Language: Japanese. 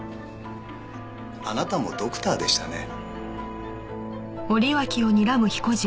あなたもドクターでしたね。